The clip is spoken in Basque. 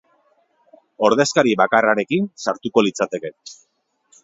Ordezkari bakarrarekin sartuko litzateke.